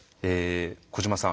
小島さん